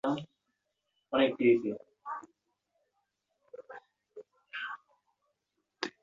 তিনি সরকারী করোনেশন বালিকা উচ্চ বিদ্যালয়ে পড়াশোনা করছেন।